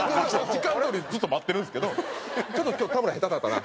時間どおりずっと待ってるんですけど「今日田村下手だったな。